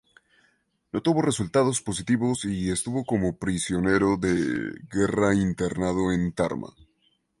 No tuvo resultados positivos y estuvo como prisionero de guerra internado en Tarma.